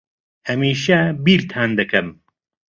ھەمیشە بیرتان دەکەم.